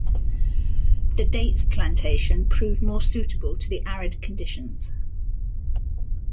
The dates plantation proved more suitable to the arid conditions.